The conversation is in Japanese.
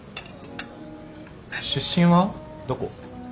出身はどこ？